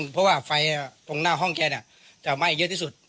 เพราะว่าไฟตรงหน้าห้องแกจะไหม้เยอะที่สุด